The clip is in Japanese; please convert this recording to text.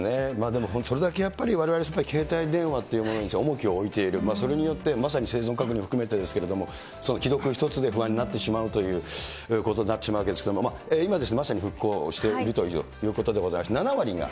でもそれだけやっぱり、われわれ携帯電話というものに重きを置いている、それによって、まさに生存確認も含めてですけれども、既読一つで不安になってしまうという、そういうことになってしまうわけですけれども、今、まさに復興してるということでございまして、７割が。